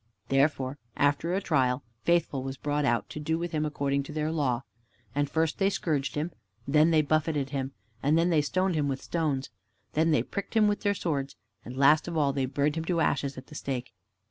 Therefore, after a trial, Faithful was brought out, to do with him according to their law. And first they scourged him, then they buffeted him, then they stoned him with stones, then they pricked him with their swords, and last of all they burned him to ashes at the stake.